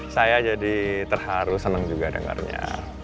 saya jadi terharu senang juga dengarnya